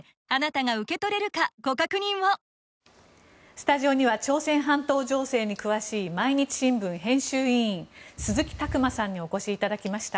スタジオには朝鮮半島情勢に詳しい毎日新聞編集委員鈴木琢磨さんにお越しいただきました。